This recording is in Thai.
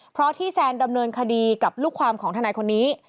เพราะที่แซนดำเนินคดีกับลูกความของทนายคนนี้